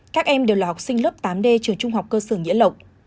các em đều là học sinh lớp tám d trường trung học cơ sở nghĩa lộc